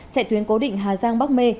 chạy tuyến cố định hà giang bắc mê